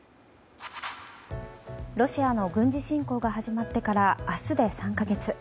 ロシアの軍事侵攻が始まってから明日で３か月。